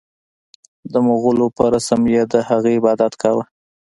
د مغولو په رسم یې د هغه عبادت کاوه.